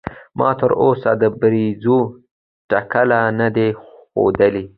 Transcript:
ما تر اوسه د بریځر ټکله نده خودلي.